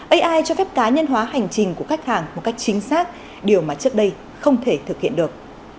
ai cho phép cá nhân hóa hành trình của khách hàng một cách chính xác điều mà trước đây không thể thực hiện được